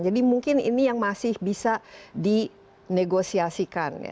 jadi mungkin ini yang masih bisa dinegosiasikan